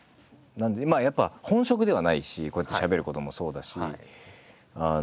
やっぱ本職ではないしこうやってしゃべることもそうだし。